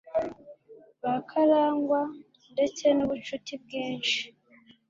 bakarangwa ndetse n'ubucuti bwinshi